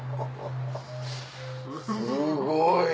すごい。